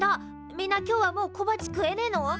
みんな今日はもう小鉢食えねえの！？